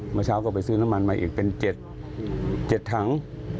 เมื่อเช้าก็ไปซื้อน้ำมันมาอีกเป็น๗ถัง